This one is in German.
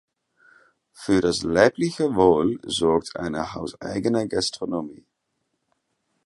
Für das leibliche Wohl sorgt eine hauseigene Gastronomie.